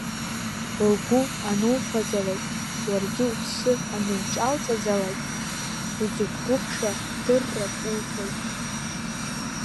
Лгәы ануфаӡалак, уаргьы уԥсы ануҿалҵаӡалак, узықәгәыӷша дыррак улҭоит.